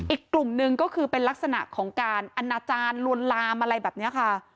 อีกกลุ่มหนึ่งก็คือเป็นลักษณะของการอนาจารย์ลวนลามอะไรแบบนี้ค่ะ